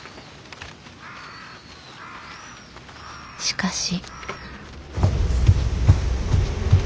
しかし。